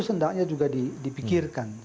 sendaknya juga dipikirkan